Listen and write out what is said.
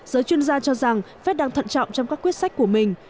giới chuyên gia cho rằng fed đang thận trọng trong các quyết sách của mình